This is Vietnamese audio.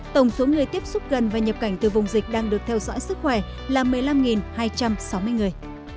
tổng số người tiếp xúc gần và nhập cảnh từ vùng dịch đang được theo dõi sức khỏe là một mươi năm hai trăm sáu mươi người